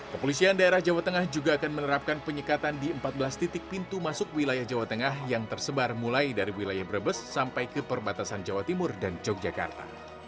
kepolisian daerah jawa tengah juga akan menerapkan penyekatan di empat belas titik pintu masuk wilayah jawa tengah yang tersebar mulai dari wilayah brebes sampai ke perbatasan jawa timur dan yogyakarta